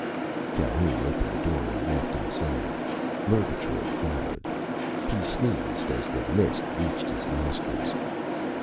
Calhoun opened the door and walked inside. Murgatroyd followed. He sneezed as the mist reached his nostrils.